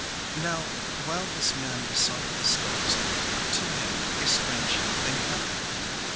"Now, while this man besought the stars, to him a strange thing happened.